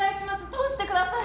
通してください！